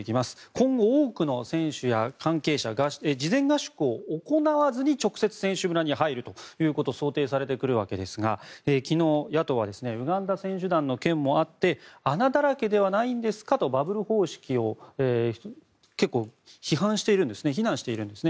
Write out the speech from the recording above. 今後、多くの選手や関係者が事前合宿を行わずに直接選手村に入ると想定されてくるわけですが昨日、野党はウガンダ選手団の件もあって穴だらけではないんですかとバブル方式を結構批判して非難しているんですね。